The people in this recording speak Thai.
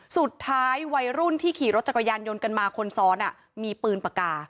สุดท้ายวัยรุ่นที่ขี่รถจักรยานยนต์กันมาคนซ้อนมีปืนปากกา